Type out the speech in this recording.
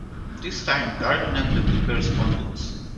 This time, Darwin ended the correspondence.